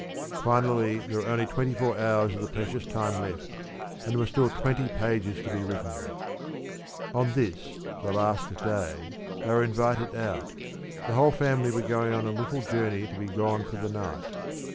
Finally there were only twenty four hours of the precious time left, and there were still twenty pages to be written. On this the last day they were invited out. The whole family were going on a little journey to be gone for the night.